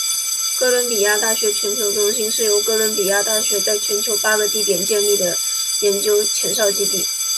哥伦比亚大学全球中心是由哥伦比亚大学在全球八个地点建立的研究前哨基地。